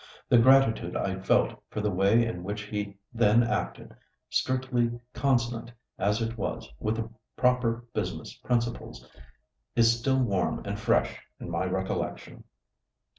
The gratitude I felt for the way in which he then acted, strictly consonant as it was with proper business principles, is still warm and fresh in my recollection."